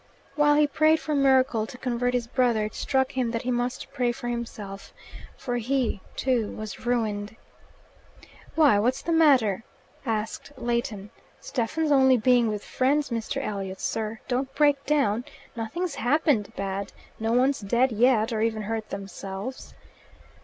While he prayed for a miracle to convert his brother, it struck him that he must pray for himself. For he, too, was ruined. "Why, what's the matter?" asked Leighton. "Stephen's only being with friends. Mr. Elliot, sir, don't break down. Nothing's happened bad. No one's died yet, or even hurt themselves."